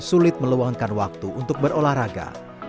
sulit meluangkan waktu untuk berolahraga